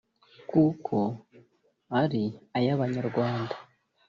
kuko ari ay’ abanyarwanda